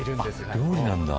料理なんだ。